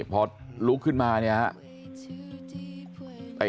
พอลุกขึ้นมาเนี่ยฮะ